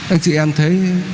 anh chị em thấy